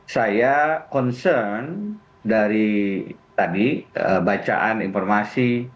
saya concern dari tadi bacaan informasi